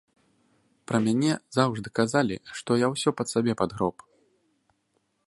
Пра мяне заўжды казалі, што я ўсё пад сябе падгроб.